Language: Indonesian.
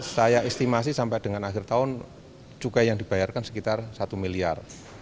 saya estimasi sampai dengan akhir tahun cukai yang dibayarkan sekitar satu miliar